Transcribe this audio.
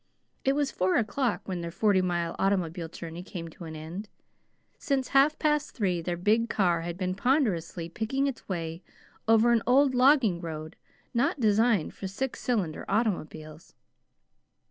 It was four o'clock when their forty mile automobile journey came to an end. Since half past three their big car had been ponderously picking its way over an old logging road not designed for six cylinder automobiles.